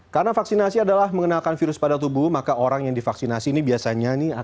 karena vaksinasi adalah mengenalkan virus pada tubuh maka orang yang divaksinasi ini biasanya akan menyebabkan virus